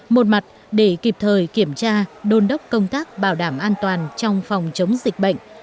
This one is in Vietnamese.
một mặt để kịp thời kiểm tra đôn đốc công tác bảo đảm an toàn trong phòng chống dịch bệnh